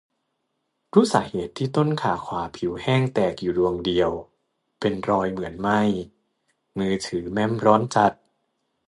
รู้สาเหตุที่ต้นขาขวาผิวแห้งแตกอยู่ดวงเดียว เป็นรอยเหมือนไหม้ มือถือแม่มร้อนจัด